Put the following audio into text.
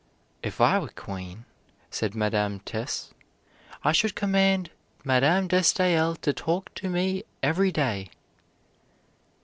"If I were Queen," said Madame Tesse, "I should command Madame de Staël to talk to me every day."